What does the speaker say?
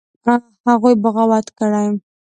هغوى بغاوت کړى.